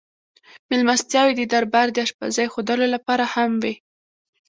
مېلمستیاوې د دربار د اشپزۍ ښودلو لپاره هم وې.